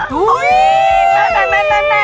แหม่